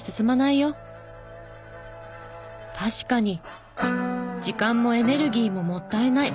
確かに時間もエネルギーももったいない。